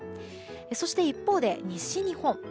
そして、一方で西日本。